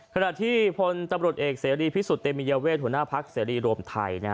ขณะที่พลตำรวจเอกเสรีพิสุทธิเตมียเวทหัวหน้าพักเสรีรวมไทย